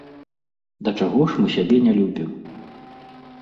Да чаго ж мы сябе не любім!